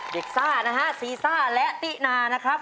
ซ่านะฮะซีซ่าและตินานะครับ